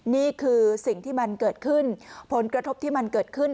นี่คือสิ่งที่มันเกิดขึ้นผลกระทบที่มันเกิดขึ้น